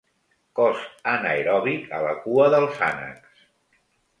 Cos anaeròbic a la cua dels ànecs.